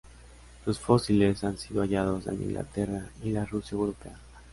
Sus fósiles han sido hallados en Inglaterra y la Rusia europea.